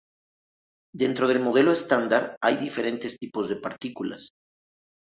Dentro del Modelo Estándar, hay diferentes tipos de partículas.